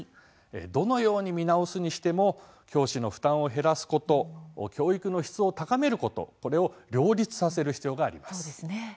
どのように見直すにしても教師の負担を減らすこと教育の質を高めることこれを両立させる必要があります。